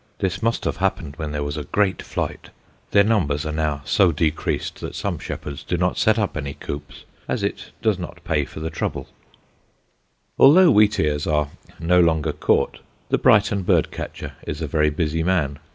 This must have happened when there was a great flight. Their numbers now are so decreased that some shepherds do not set up any coops, as it does not pay for the trouble." [Sidenote: THE LARK GLASS] Although wheatears are no longer caught, the Brighton bird catcher is a very busy man.